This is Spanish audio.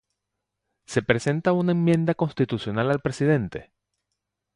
¿Se presenta una enmienda constitucional al Presidente?